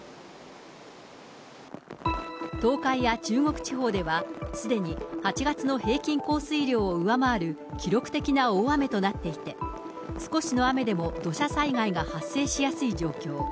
東海や中国地方では、すでに８月の平均降水量を上回る記録的な大雨となっていて、少しの雨でも土砂災害が発生しやすい状況。